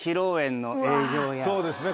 そうですね